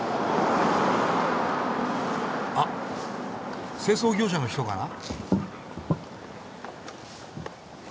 あっ清掃業者の人かな。